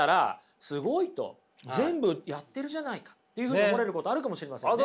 全部やってるじゃないかというふうに思われることあるかもしれませんね。